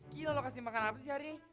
gila lo kasih makan apa sih hari ini